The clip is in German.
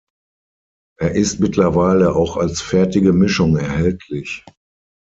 Er ist mittlerweile auch als fertige Mischung erhältlich.